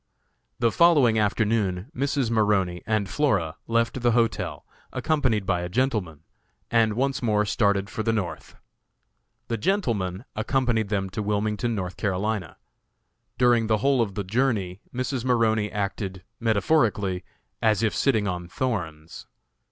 The following afternoon Mrs. Maroney and Flora left the hotel, accompanied by a gentleman, and once more started for the North. The gentleman accompanied them to Wilmington, N. C. During the whole of the journey, Mrs. Maroney acted, metaphorically, as if sitting on thorns.